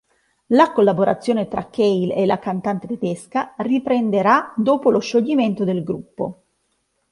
La collaborazione tra Cale e la cantante tedesca riprenderà dopo lo scioglimento del gruppo.